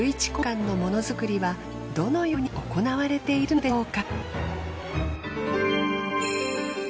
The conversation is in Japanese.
御社の製品どのように行われているのでしょうか。